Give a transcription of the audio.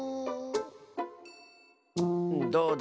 どうだ？